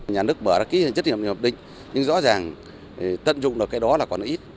nhà nước mở ra cái chất lượng ổn định nhưng rõ ràng tận dụng được cái đó là còn ít